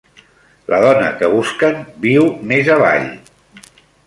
La dona que busquen viu més avall.